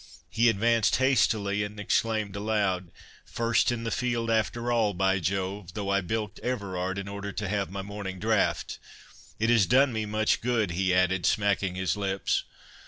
He advanced hastily, and exclaimed aloud—"First in the field after all, by Jove, though I bilked Everard in order to have my morning draught.— It has done me much good," he added, smacking his lips.